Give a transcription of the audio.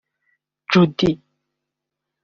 Jody